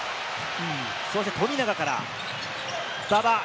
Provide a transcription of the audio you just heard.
そして富永から馬場。